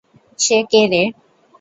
সে কে রে?